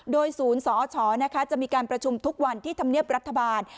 โดยศูนย์สอชจะมีการประชุมทุกวันที่ธรรมเนียบรัฐบาล